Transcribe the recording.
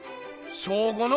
小５の？